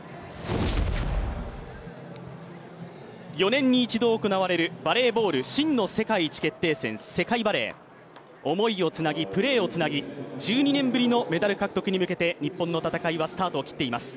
４年に一度行われるバレーボール真の世界一決定戦、世界バレー思いをつなぎ、プレーをつなぎ、１２年ぶりのメダル獲得に向けて日本の戦いはスタートを切っています。